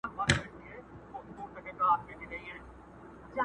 قلاګانو کي په جګو تعمیرو کي!